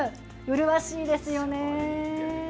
うるわしいですよね。